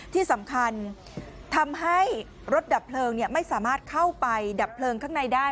ที่สำคัญทำให้รถดับเพลิงไม่สามารถเข้าไปดับเพลิงข้างในได้